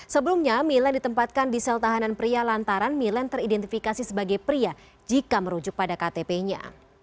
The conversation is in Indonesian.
sebelumnya mile ditempatkan di sel tahanan pria lantaran milen teridentifikasi sebagai pria jika merujuk pada ktp nya